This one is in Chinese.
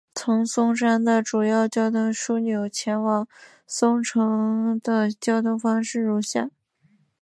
从松山的主要交通枢纽前往松山城的交通方式如下。